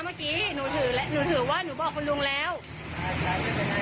เมื่อกี้หนูถือหนูถือว่าหนูบอกคุณลุงแล้วอ่าโอเคคุณลุงอนุญาตแล้วน่ะ